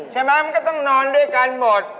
ใช่ไหมมันก็ต้องนอนด้วยกันหมด